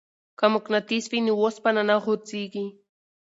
که مقناطیس وي نو وسپنه نه غورځیږي.